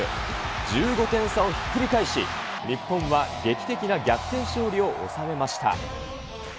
１５点差をひっくり返し、日本は劇的な逆転勝利を収めました。